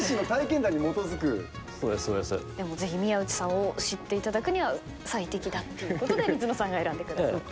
でもぜひ宮内さんを知っていただくには最適だっていうことで水野が選んでくださった。